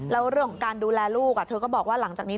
แล้วเรื่องของการดูแลลูกเธอก็บอกว่าหลังจากนี้